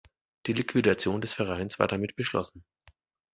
Die Liquidation des Vereins war damit beschlossen.